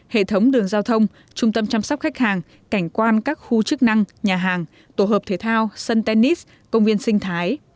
hệ thống đường giao thông trung tâm chăm sóc khách hàng cảnh quan các khu chức năng nhà hàng tổ hợp thể thao sân tennis công viên sinh thái